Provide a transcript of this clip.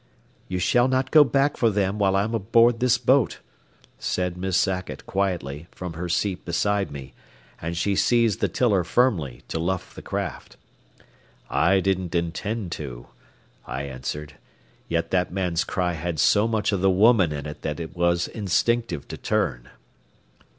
"You shall not go back for them while I'm aboard this boat," said Miss Sackett, quietly, from her seat beside me, and she seized the tiller firmly to luff the craft. "I didn't intend to," I answered; "yet that man's cry had so much of the woman in it that it was instinctive to turn."